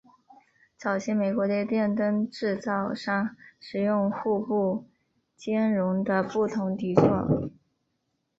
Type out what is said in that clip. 早期美国的电灯制造商使用互不兼容的不同底座。